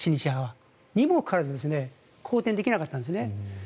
にもかかわらず好転できなかったんですね。